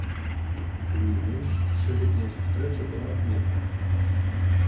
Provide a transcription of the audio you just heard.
Тым не менш сёлетняя сустрэча была адметная.